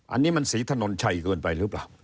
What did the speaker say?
อันนี้มันศรีถนนชัยเกินไปหรือเปล่า